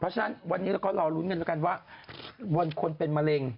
เพราะฉะนั้นวันนี้เราก็รอลุ้นกันแล้วกันว่าวันคนเป็นมะเร็ง